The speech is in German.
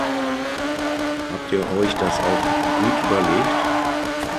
Habt ihr euch das auch gut überlegt?